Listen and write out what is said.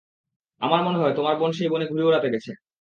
আমার মনে হয় তোমার বোন সেই বনে ঘুড়ি ওড়াতে গেছে।